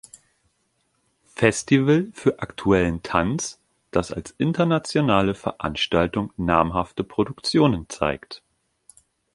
Festival für aktuellen Tanz, das als internationale Veranstaltung namhafte Produktionen zeigt.